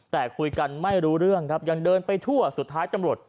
แต่คุยกันไม่รู้เรื่องครับยังเดินไปทั่วสุดท้ายตำรวจ